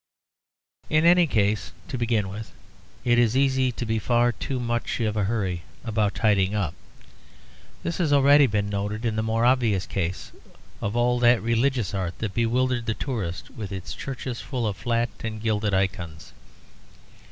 In any case, to begin with, it is easy to be in far too much of a hurry about tidying up. This has already been noted in the more obvious case, of all that religious art that bewildered the tourist with its churches full of flat and gilded ikons.